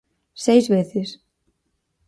Seis veces.